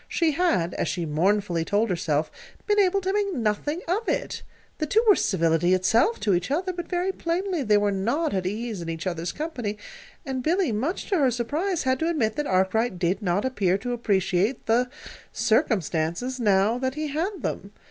She had, as she mournfully told herself, been able to make nothing of it. The two were civility itself to each other, but very plainly they were not at ease in each other's company; and Billy, much to her surprise, had to admit that Arkwright did not appear to appreciate the "circumstances" now that he had them.